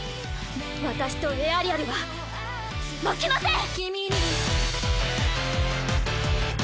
私とエアリアルは負けません！